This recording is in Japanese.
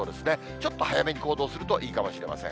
ちょっと早めに行動するといいかもしれません。